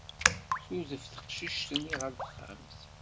Tudef teqcict-nni ɣer texxamt.